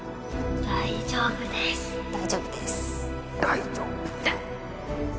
大丈夫です大丈夫です大丈夫です！